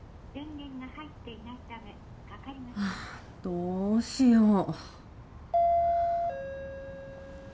どうしよう。